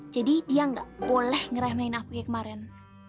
jadi dia gak boleh ngerenain aku kayak kemaren